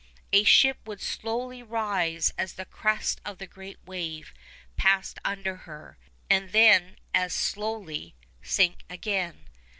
A ship would slowly rise as the crest of the great wave passed under her, and then as slowly sink again.